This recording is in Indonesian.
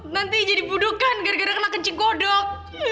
nanti jadi budokan gara gara kena kencing kodok